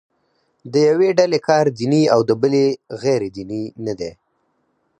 د یوې ډلې کار دیني او د بلې غیر دیني نه دی.